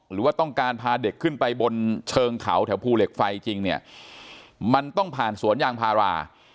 หรือว่าต้องการพาเด็กขึ้นไปบนเชิงเขาแถวภูเหล็กไฟจริงเนี่ยมันต้องผ่านสวนยางพารา